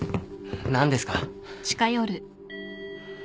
何ですか？